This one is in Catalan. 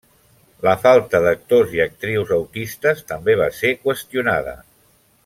La falta d'actors i actrius autistes també va ser qüestionada.